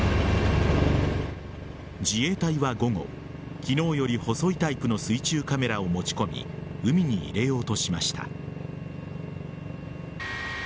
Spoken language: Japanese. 自衛隊は午後昨日より細いタイプの水中カメラを持ち込み海に入れようとしました。